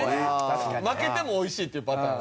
負けてもおいしいっていうパターン。